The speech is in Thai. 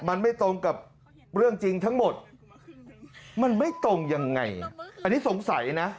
มันไม่ตรงกับเรื่องจริงทั้งหมดมันไม่ตรงยังไงอันนี้สงสัยนะ